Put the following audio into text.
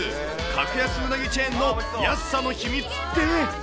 格安うなぎチェーンの安さの秘密って？